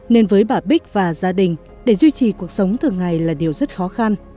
nên với bà bích và gia đình để duy trì cuộc sống thường ngày là điều rất khó khăn